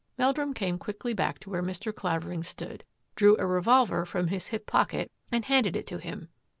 " Meldrum came quickly back to where Mr. Claver ing stood, drew a revolver from his hip pocket, and handed it to him.